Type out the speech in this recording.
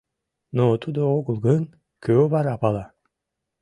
Но тудо огыл гын, кӧ вара пала?